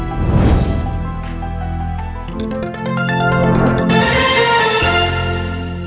โปรดติดตามตอนต่อไป